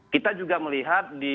kita juga melihat